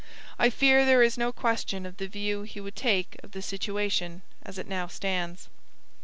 I fear there is no question of the view he would take of the situation as it now stands."